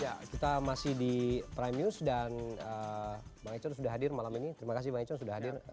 ya kita masih di prime news dan mereka sudah hadir malam ini terima kasih banyak sudah hadir